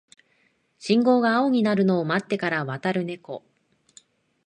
信号が青になるのを待ってから渡るネコ